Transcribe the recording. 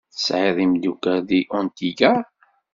Tesɛid imeddukal deg Antigua?